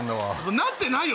なってないよ